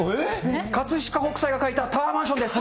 葛飾北斎が描いた、タワーマンションです。